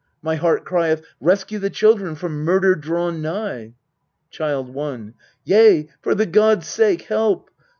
My heart crieth, "Rescue the children from murder drawn nigh !" Child i. Yea, for the gods' sake, help